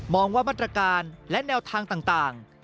ว่ามาตรการและแนวทางต่าง